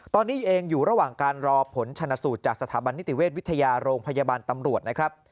ตอนนี้เองอยู่ระหว่างการรอผลชนสูตรจากสถาบันนิติเวชวิทยาโรงพยาบาลตำรวจนะครับ